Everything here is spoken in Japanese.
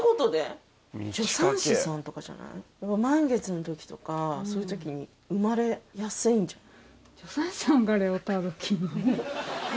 満月の時とかそういう時に生まれやすいんじゃない？